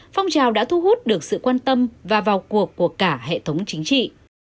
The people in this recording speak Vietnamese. phong trào đã thu hút được sự quan tâm và vào cuộc của cả hệ thống chính trị